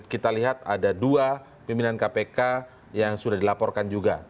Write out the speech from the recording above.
kita lihat ada dua pimpinan kpk yang sudah dilaporkan juga